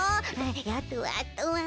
あとはあとは。